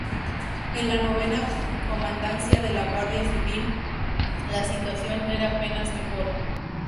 En la novena comandancia de la guardia civil, la situación era apenas mejor.